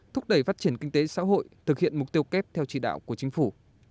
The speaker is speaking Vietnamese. thúc đẩy phát triển kinh tế xã hội thực hiện mục tiêu kép theo chỉ đạo của chính phủ